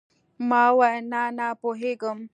ما وويل نه نه پوهېږم.